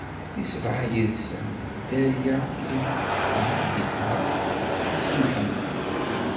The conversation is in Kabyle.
I sebɛa yid-sen, d dderya i s-d-tesɛa Bilha i Si Mḥemmed.